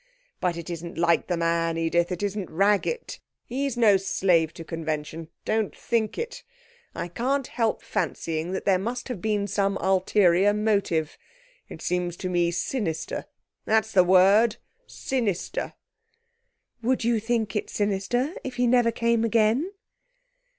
'But it isn't like the man, Edith! It isn't Raggett! He's no slave to convention; don't think it. I can't help fancying that there must have been some ulterior motive. It seems to me sinister that's the word sinister.' 'Would you think it sinister if he never came, again?'